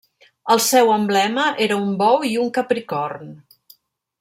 El seu emblema era un bou i un capricorn.